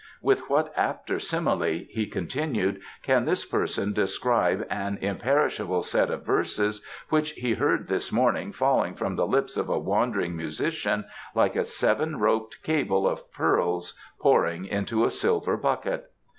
"With what apter simile," he continued, "can this person describe an imperishable set of verses which he heard this morning falling from the lips of a wandering musician like a seven roped cable of pearls pouring into a silver bucket?